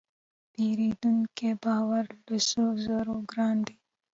د پیرودونکي باور له سرو زرو ګران دی.